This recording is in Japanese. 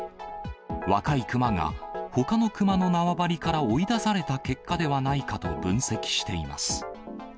若いクマがほかのクマの縄張りから追い出された結果ではないかと分析しています。